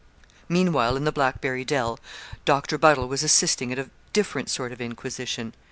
Meanwhile, in the Blackberry Dell, Doctor Buddle was assisting at a different sort of inquisition.